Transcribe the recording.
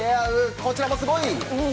こちらもすごい！